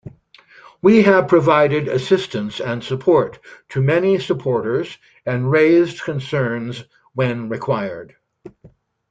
We have provided assistance and support to many supporters and raised concerns when required.